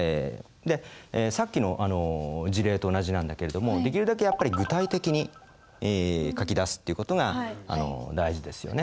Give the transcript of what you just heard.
さっきの事例と同じなんだけれどもできるだけやっぱり具体的に書き出すっていう事が大事ですよね。